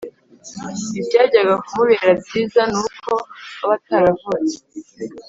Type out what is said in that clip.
ibyajyaga kumubera byiza ni uko aba ataravutse.”